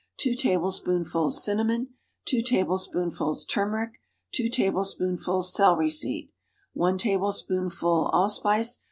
2 tablespoonfuls cinnamon. 2 tablespoonfuls turmeric. 2 tablespoonfuls celery seed. 1 tablespoonful allspice.